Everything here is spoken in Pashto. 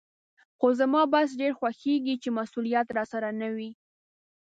خو زما بس ډېر خوښېږي چې مسولیت راسره نه وي.